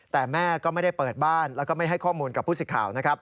แต่แม่ก็ไม่ได้เปิดบ้านแล้วก็ไม่ให้ข้อมูลกับผู้สิทธิ์ข่าวนะครับ